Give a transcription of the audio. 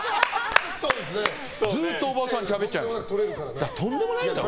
ずっとお坊さんにしゃべっちゃいました。